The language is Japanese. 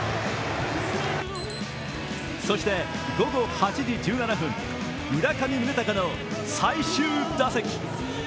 そして午後８時１７分、村上宗隆の最終打席。